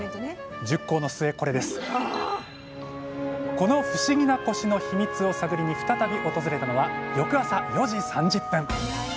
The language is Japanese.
この不思議なコシのヒミツを探りに再び訪れたのは翌朝４時３０分。